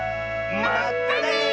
まったね！